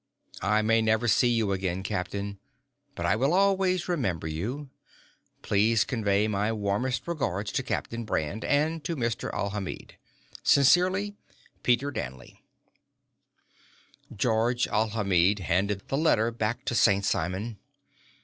I may never see you again, captain, but I will always remember you. Please convey my warmest regards to Captain Brand and to Mr. Alhamid. Sincerely, Peter Danley Georges Alhamid handed the letter back to St. Simon.